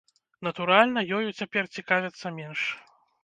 Натуральна, ёю цяпер цікавяцца менш.